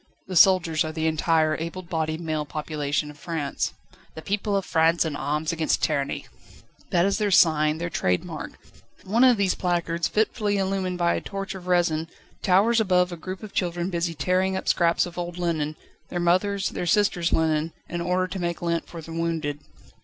The soldiers are the entire able bodied male population of France. "The people of France in arms against tyranny!" That is their sign, their trade mark; one of these placards, fitfully illumined by a torch of resin, towers above a group of children busy tearing up scraps of old linen their mothers', their sisters' linen in order to make lint for the wounded.